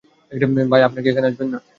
আপনার ভাই কি এখানে আসবেন না?